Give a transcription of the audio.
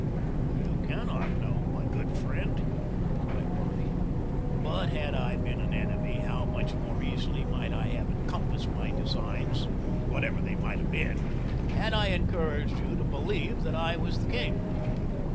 "You cannot know, my good friend," replied Barney. "But had I been an enemy, how much more easily might I have encompassed my designs, whatever they might have been, had I encouraged you to believe that I was king.